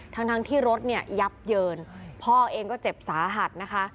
ทั้งทั้งที่รถเนี่ยยับเยินพ่อเองก็เจ็บสาหัสนะคะ